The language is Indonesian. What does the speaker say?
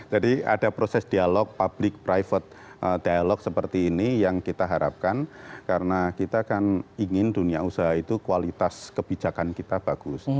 jadi ada proses dialog public private dialog seperti ini yang kita harapkan karena kita kan ingin dunia usaha itu kualitas kebijakan kita bagus